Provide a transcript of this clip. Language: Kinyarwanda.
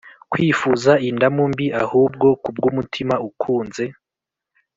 kwifuza indamu mbi ahubwo ku bw umutima ukunze